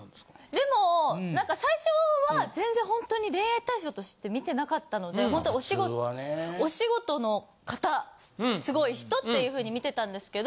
でも最初は全然ほんとに恋愛対象として見てなかったのでほんとお仕事の方すごい人っていう風に見てたんですけど。